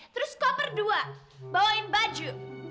terus koper dua bawain baju